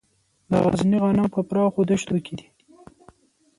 د غزني غنم په پراخو دښتو کې دي.